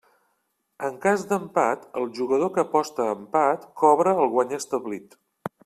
En cas d'empat el jugador que aposta a empat cobra el guany establit.